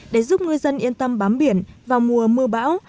để giúp ngư dân yên tâm bám biển vào mùa mưa bão